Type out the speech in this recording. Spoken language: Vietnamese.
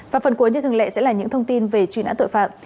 và phần cuối như thường lệ sẽ là những thông tin về truy nã tội phạm